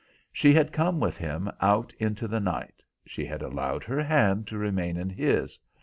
She had come with him out into the night. She had allowed her hand to remain in his.